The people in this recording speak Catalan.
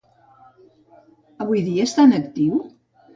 Avui dia està en actiu?